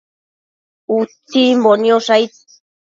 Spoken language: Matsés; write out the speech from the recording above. Utsimbo niosh aid